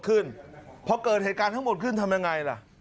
ขึ้นพอเกิดเหตุการณ์ทั้งหมดขึ้นทำยังไงล่ะ